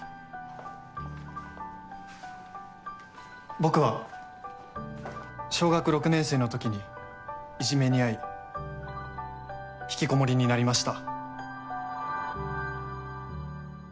・僕は小学６年生のときにいじめに遭い引きこもりになりました。